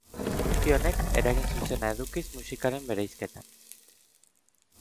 Guzti honek, eragin zuzena edukiz musikaren bereizketan.